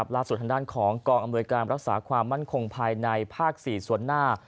ล่าสุดทางด้านของกองอำนวยการรักษาความมั่นคงภายในภาค๔ส่วนหน้า